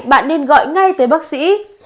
bạn nên gọi ngay tới bác sĩ